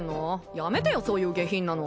やめてよそういう下品なの。